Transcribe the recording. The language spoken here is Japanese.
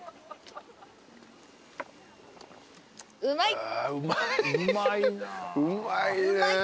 うまいな。